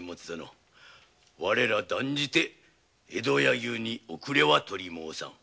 我ら断じて江戸柳生に遅れはとり申さぬ。